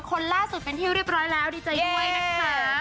คนล่าสุดเป็นที่แล้วดีใจด้วยนะคะ